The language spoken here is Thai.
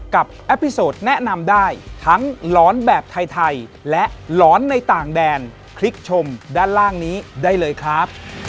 ขอบคุณครับค่ะ